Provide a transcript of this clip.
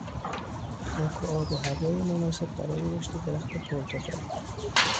خاک و آب و هوای مناسب برای رشد درخت پرتقال